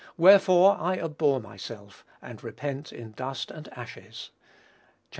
Wherefore I abhor myself, and repent in dust and ashes." (Chap.